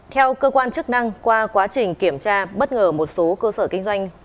theo cơ quan chức năng qua quá trình kiểm tra bất ngờ một số cơ sở kinh doanh